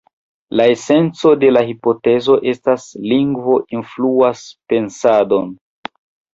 La esenco de la hipotezo estas: "lingvo influas pensadon".